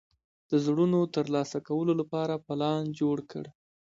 د زړونو ترلاسه کولو لپاره پلان جوړ کړ.